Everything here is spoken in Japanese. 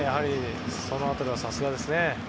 その辺り、さすがです。